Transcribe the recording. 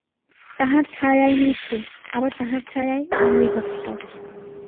তাঁহার ছায়াই মৃত্যু, আবার তাঁহার ছায়াই অমৃতত্ব।